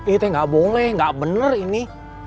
ini teh nggak boleh nggak bener ini